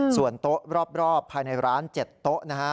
ส่วนโต๊ะรอบภายในร้าน๗โต๊ะนะฮะ